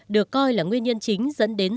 được coi là nguyên nhân chính dẫn đến